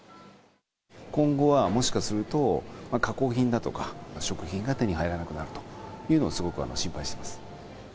今後はもしかすると、加工品だとか、食品が手に入らなくなるというのを、すごく心配してます。